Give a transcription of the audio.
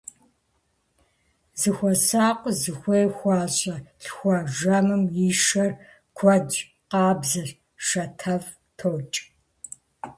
Зыхуэсакъыу, зыхуей хуащӀэу лъхуа жэмым и шэр куэдщ, къабзэщ, шатэфӀ токӀ.